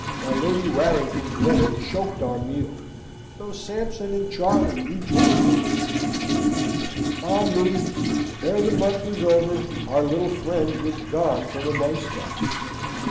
My Lady Warrington's letter choked our meal, though Sampson and Charley rejoiced over it. Ah me! Ere the month was over, our little friend was gone from amongst us.